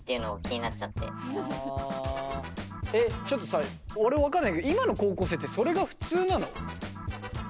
ちょっとさ俺分かんないけど今の高校生ってそれが普通なの？